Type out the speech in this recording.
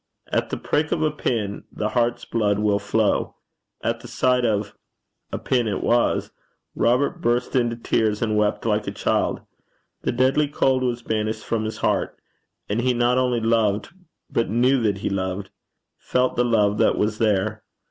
At the prick of a pin the heart's blood will flow: at the sight of a pin it was Robert burst into tears, and wept like a child; the deadly cold was banished from his heart, and he not only loved, but knew that he loved felt the love that was there.